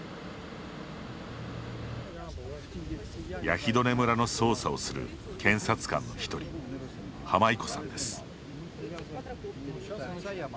ヤヒドネ村の捜査をする検察官の１人、ハマイコさんです。